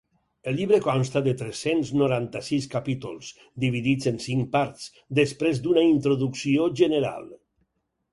El llibre consta de tres-cents noranta-sis capítols, dividits en cinc parts, després d’una introducció general.